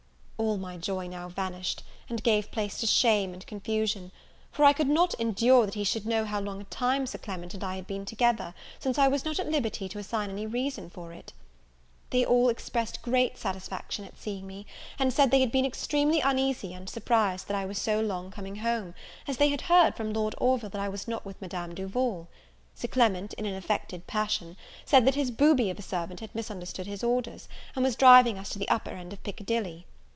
All my joy now vanished, and gave place to shame and confusion; for I could not endure that he should know how long a time Sir Clement and I had been together, since I was not at liberty to assign any reason for it. They all expressed great satisfaction at seeing me; and said they had been extremely uneasy and surprised that I was so long coming home, as they had heard from Lord Orville that I was not with Madame Duval. Sir Clement, in an affected passion, said, that his booby of a servant had misunderstood his orders, and was driving us to the upper end of Piccadilly.